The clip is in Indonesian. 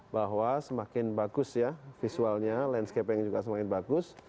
bahwa semakin bagus ya visualnya landscapenya juga semakin bagus